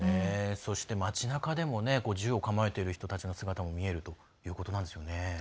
そして、町なかでも銃を構えてる人たちの姿も見えるということなんですね。